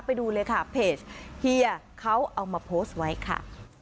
ไปดูเลยค่ะเพจเฮียเขาเอามาโพสต์ไว้ค่ะ